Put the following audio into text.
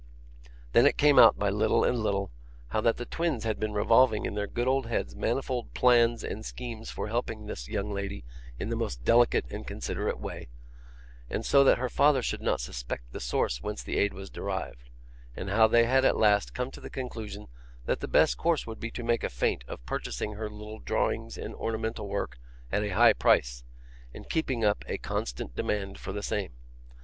Then it came out by little and little, how that the twins had been revolving in their good old heads manifold plans and schemes for helping this young lady in the most delicate and considerate way, and so that her father should not suspect the source whence the aid was derived; and how they had at last come to the conclusion, that the best course would be to make a feint of purchasing her little drawings and ornamental work at a high price, and keeping up a constant demand for the same.